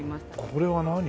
これは何？